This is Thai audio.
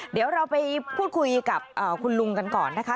เดี๋ยวเราไปพูดคุยกับคุณลุงกันก่อนนะคะ